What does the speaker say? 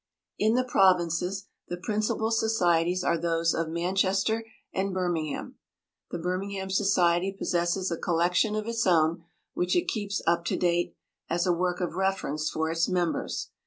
In the provinces, the principal societies are those of Manchester and Birmingham. The Birmingham Society possesses a collection of its own, which it keeps up to date, as a work of reference for its members.